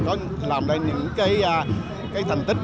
có làm ra những cái thành tích